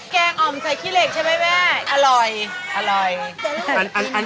แกงอ่อมใส่ขี้เหล็กใช่ไหมแม่อร่อย